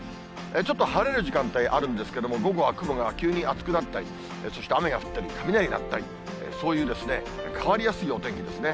ちょっと晴れる時間帯、あるんですけれども、午後は雲が急に厚くなったり、そして雨が降ったり、雷鳴ったり、そういう変わりやすいお天気ですね。